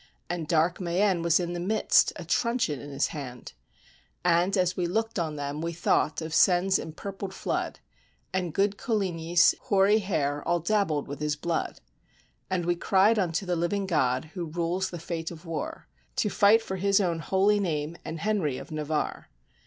And dark Mayenne was in the midst, a truncheon in his hand; And, as we looked on them, we thought of Seine's em purpled flood. And good Coligny's hoary hair all dabbled with his blood; And we cried unto the living God, who rules the fate of war. To fight for his own holy name, and Henry of Navarre.